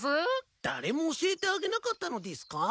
誰も教えてあげなかったのでぃすか？